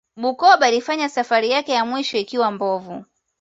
bukoba ilifanya safari yake ya mwisho ikiwa mbovu